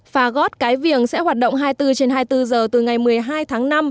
phà gót cái viềng sẽ hoạt động hai mươi bốn trên hai mươi bốn giờ từ ngày một mươi hai tháng năm